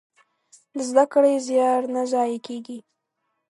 د زده کړې زيار نه ضايع کېږي.